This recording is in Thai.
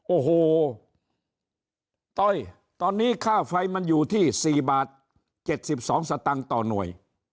โอ้โหต้อยตอนนี้ค่าไฟมันอยู่ที่๔บาท๗๒สตางค์ต่อหน่วย